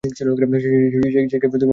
সে cafe থেকে দুই mile উত্তরে থাকে।